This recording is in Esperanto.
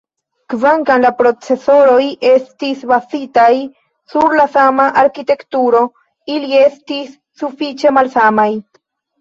Kvankam la procesoroj estis bazitaj sur la sama arkitekturo ili estis sufiĉe malsamaj.